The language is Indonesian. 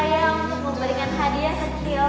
lewat sebuah puisi